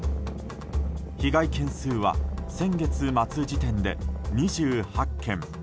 被害件数は先月末時点で２８件。